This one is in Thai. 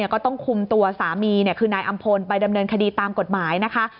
ก็ต้องคุมตัวสามีคือนายอำพลไปดำเนินคดีตามกฎหมายนะคะ